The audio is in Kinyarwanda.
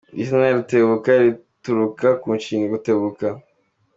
Izina Rutebuka rituruka ku nshinga gutebuka.